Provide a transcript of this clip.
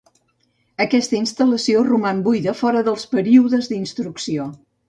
Aquesta instal·lació roman buida fora dels períodes d’instrucció.